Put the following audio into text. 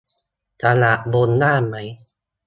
สระบนล่างไหม ?